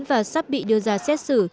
và sắp bị đưa ra xét xử